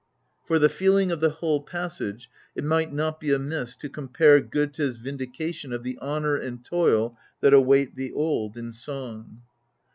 For the feeling of the whole passage, it might not be amiss to compare Goethe's vindication of the " honour and toil " that await the old, in song.